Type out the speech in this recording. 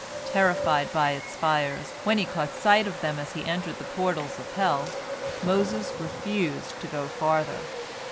Terrified by its fires, when he caught sight of them as he entered the portals of hell, Moses refused to go farther.